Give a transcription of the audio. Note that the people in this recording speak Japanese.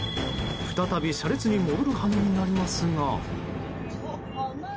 再び車列に戻る羽目になりますが。